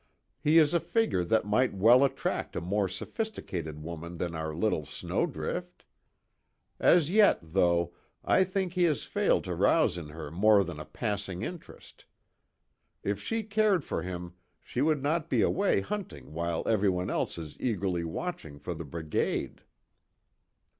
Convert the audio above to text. He is a figure that might well attract a more sophisticated woman than our little Snowdrift. As yet, though, I think he has failed to rouse in her more than a passing interest. If she cared for him she would not be away hunting while everyone else is eagerly watching for the brigade."